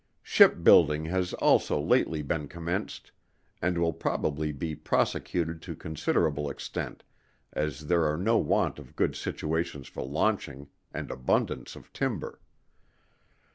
Ship building has also lately been commenced, and will probably be prosecuted to considerable extent as there are no want of good situations for launching, and abundance of timber.